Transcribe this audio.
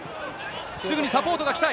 すぐにサポートが来たい。